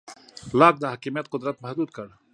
لاک د حاکمیت قدرت محدود کړ.